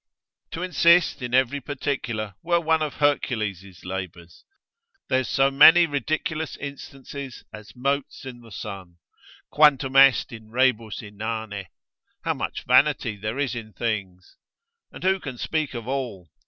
To insist in every particular were one of Hercules' labours, there's so many ridiculous instances, as motes in the sun. Quantum est in rebus inane? (How much vanity there is in things!) And who can speak of all?